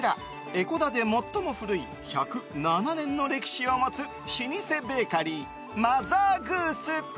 江古田で最も古い１０７年の歴史を持つ老舗ベーカリー、マザーグース。